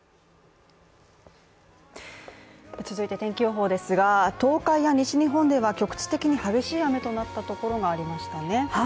続いて天気予報ですが東海や日本では局地的に激しい雨となったところがありましたね。